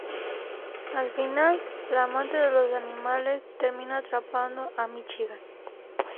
Al final, la amante de los animales termina atrapando a Michigan.